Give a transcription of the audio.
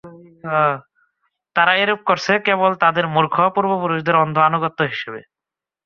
তারা এরূপ করছে কেবল তাদের মূর্খ পূর্ব-পুরুষদের অন্ধ আনুগত্য হিসেবে।